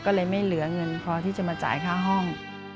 ก็เลยไม่เหลือเงินพอที่จะมาจ่ายค่าห้อง